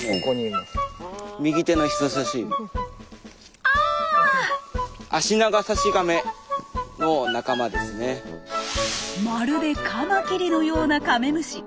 まるでカマキリのようなカメムシ。